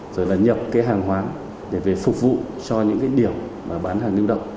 rồi nhập hàng hóa để phục vụ cho những điểm bán hàng lưu động